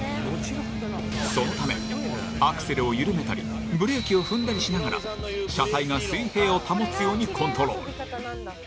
そのため、アクセルを緩めたりブレーキを踏んだりしながら車体が水平を保つようにコントロール。